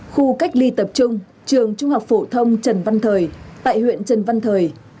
khu cách ly tập trung trường trung học phổ thông trần văn thời tại huyện trần văn thời